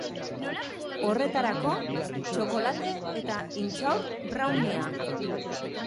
Horretarako, txokolate eta intxaur browniea.